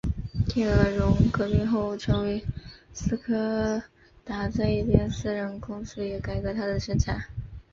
天鹅绒革命后成为斯柯达在一边私人公司也改革它的生产。